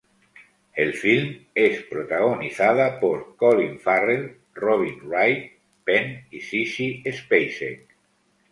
El filme es protagonizada por Colin Farrell, Robin Wright Penn y Sissy Spacek.